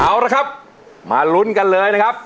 เอาละครับมาลุ้นกันเลยนะครับ